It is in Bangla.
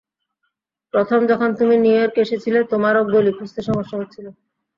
প্রথম যখন তুমি নিউইয়র্ক এসেছিলে তোমারও গলি খুঁজতে সমস্যা হচ্ছিল।